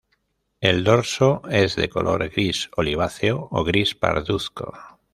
El dorso es de color gris-oliváceo o gris-parduzco.